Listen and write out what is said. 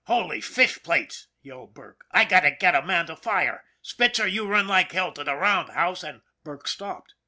" Holy fishplates !" yelled Burke. " I've got to get a man to fire. Spitzer, you run like hell to the round house and " Burke stopped.